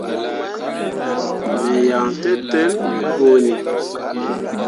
Me yan tǝtel me bõoni.